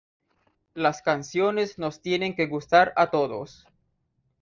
Las canciones nos tienen que gustar a todos.